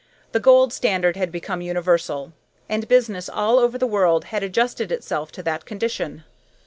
The gold standard had become universal, and business all over the earth had adjusted itself to that condition.